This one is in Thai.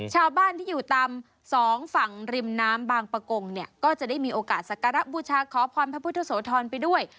ชาวบ้านที่อยู่ตามสองฝั่งริมน้ำบางประกงเนี่ยก็จะได้มีโอกาสสักการะบูชาขอพรพระพุทธโสธรไปด้วย